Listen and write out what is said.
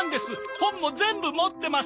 本も全部持ってます！